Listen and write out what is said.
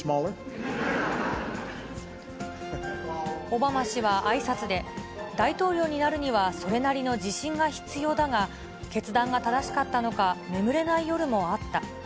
オバマ氏はあいさつで、大統領になるには、それなりの自信が必要だが、決断が正しかったのか、眠れない夜もあった。